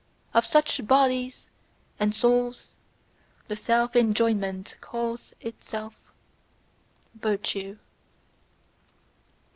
Of such bodies and souls the self enjoyment calleth itself "virtue."